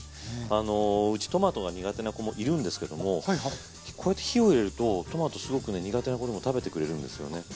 うちトマトが苦手な子もいるんですけどもこうやって火を入れるとトマトすごくね苦手な子でも食べてくれるんですよね。